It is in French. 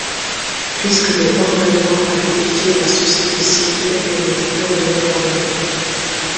Puisque le hors-la-loi avait défié la société civile, elle n'était plus redevable envers lui.